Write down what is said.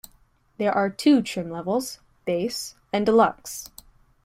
There are two trim levels: Base and Deluxe.